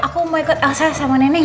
aku mau ikut elsa sama neneng